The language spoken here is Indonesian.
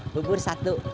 bu bur satu